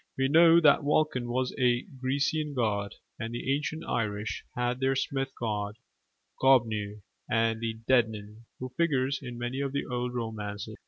We know that Vulcan was a Grecian god; and the ancient Irish had their smith god, Goibniu, the Dedannan, who figures in many of the old romances.